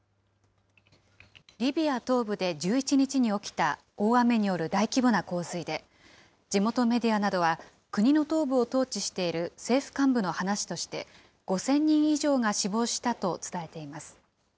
リビア東部で１１日に起きた大雨による大規模な洪水で、地元メディアなどは国の東部を統治している政府幹部の話として、５０００人以上が死亡したと伝えています。